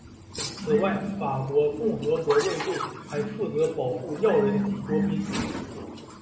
此外法国共和国卫队还负责保护要人及国宾。